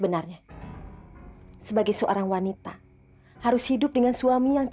rumahnya dimana neng